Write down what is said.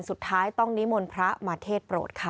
สุดท้ายต้องนิมนต์พระมาเทศโปรดค่ะ